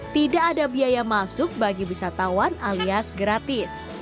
tidak ada biaya masuk bagi wisatawan alias gratis